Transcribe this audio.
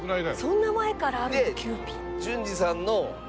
そんな前からあるんだキユーピー。